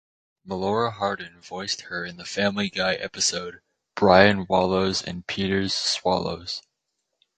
Melora Hardin voiced her in the Family Guy episode, "Brian Wallows and Peter's Swallows".